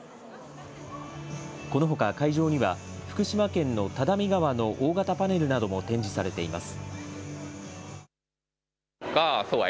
このほか会場には、福島県の只見川の大型パネルなども展示されています。